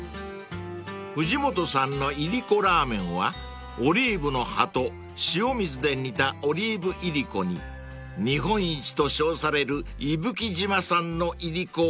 ［藤本さんのいりこラーメンはオリーブの葉と塩水で煮たオリーブイリコに日本一と称される伊吹島産のいりこをブレンドしたもの］